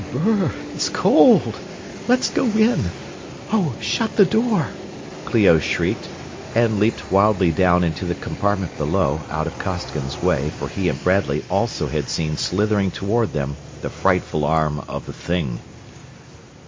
"Br r r, it's cold! Let's go in Oh! Shut the door!" Clio shrieked, and leaped wildly down into the compartment below, out of Costigan's way, for he and Bradley also had seen slithering toward them the frightful arm of the Thing.